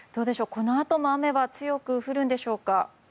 このあとも雨は強く降るんでしょうか。